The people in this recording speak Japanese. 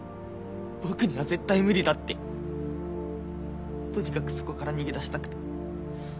僕には絶対無理だってとにかくそこから逃げ出したくて。